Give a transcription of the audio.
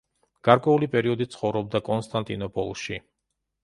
გარკვეული პერიოდი ცხოვრობდა კონსტანტინოპოლში.